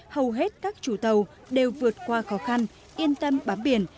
hầu hết các chủ tàu đều vượt qua khó khăn yên tâm bám biển